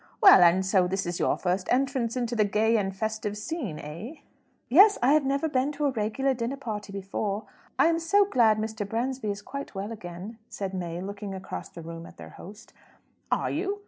Well, and so this is your first entrance into the gay and festive scene, eh?" "Yes; I have never been to a regular dinner party before. I am so glad Mr. Bransby is quite well again," said May, looking across the room at their host. "Are you?